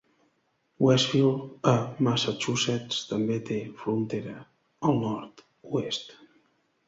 Westfield, a Massachusetts, també te frontera al nord-oest.